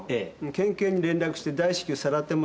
県警に連絡して大至急さらってもらってくれる。